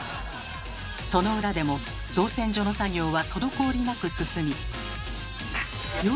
その裏でも造船所の作業は滞りなく進み。